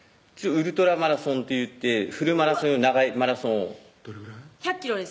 ウルトラマラソンっていってフルマラソンより長いマラソンをどれぐらい？